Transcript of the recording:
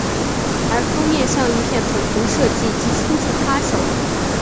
而封面上一片粉红设计即出自她手。